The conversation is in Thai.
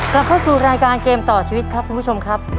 กลับเข้าสู่รายการเกมต่อชีวิตครับคุณผู้ชมครับ